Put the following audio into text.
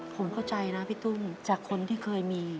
ผมเข้าใจนะพี่ตุ้มจากคนที่เคยมี